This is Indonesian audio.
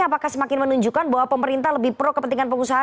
apakah semakin menunjukkan bahwa pemerintah lebih pro kepentingan pengusaha